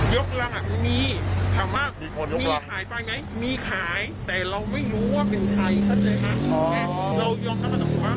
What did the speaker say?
ยกรังอ่ะมีถามว่ามีขายไปไงมีขายแต่เราไม่รู้ว่าเป็นใครค่ะเนี่ยค่ะ